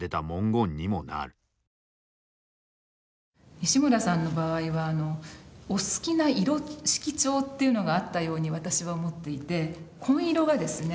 西村さんの場合はお好きな色色調というのがあったように私は思っていて紺色がですね